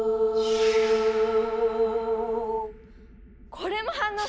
これも反応した！